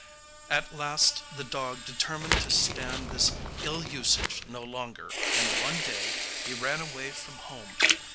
At last the dog determined to stand this ill usage no longer, and, one day, he ran away from home.